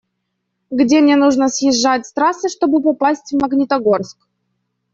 Где мне нужно съезжать с трассы, чтобы попасть в Магнитогорск?